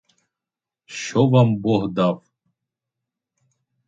Що вам бог дав?